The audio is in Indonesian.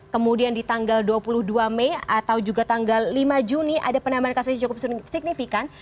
kemudian di tanggal dua puluh dua mei atau juga tanggal lima juni ada penambahan kasus yang cukup signifikan